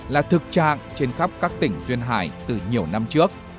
là thực trạng trên khắp các tỉnh duyên hải từ nhiều năm trước